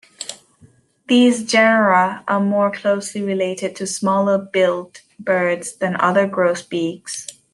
These genera are more closely related to smaller-billed birds than to other grosbeaks.